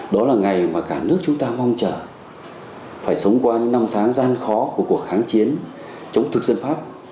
đó là ngày mà cả nước chúng ta mong chờ phải sống qua những năm tháng gian khó của cuộc kháng chiến chống thực dân pháp